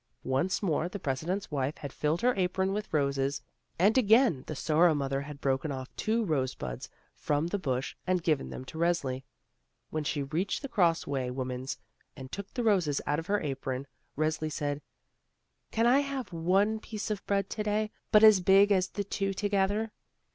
Once more the President's wife had filled her apron with roses, and again the Sorrow mother had broken off two rose buds from the bush and given them to Resli. When she reached the Cross way woman's, and took the roses out of her apron, Resli said: "Can I have one piece of bread to day, but as big as the two together?"